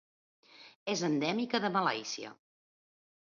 És endèmica de Malàisia.